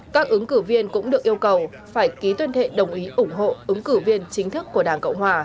các ứng cử viên cũng được yêu cầu phải ký tuyên thệ đồng ý ủng hộ ứng cử viên chính thức của đảng cộng hòa